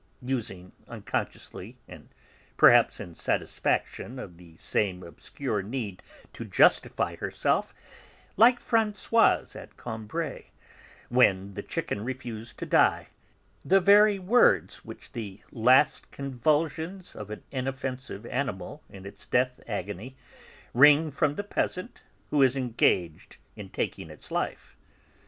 using unconsciously, and perhaps in satisfaction of the same obscure need to justify herself like Françoise at Combray when the chicken refused to die the very words which the last convulsions of an inoffensive animal in its death agony wring from the peasant who is engaged in taking its life.